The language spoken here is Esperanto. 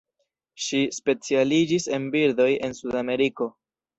Ŝi specialiĝis en birdoj de Sudameriko.